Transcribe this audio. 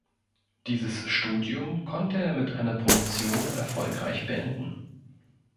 Dieses Studium konnte er mit einer Promotion erfolgreich beenden.